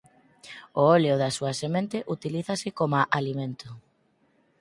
O óleo da súa semente utilízase coma alimento.